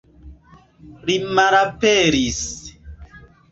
Li malaperis.